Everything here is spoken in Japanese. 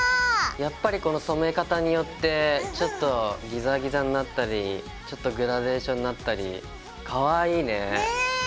やっぱりこの染め方によってちょっとギザギザになったりちょっとグラデーションになったりかわいいね。ね！